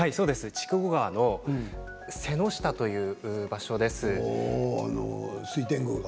筑後川の瀬ノ下という場所です。